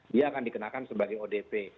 dia akan dikenakan sebagai odp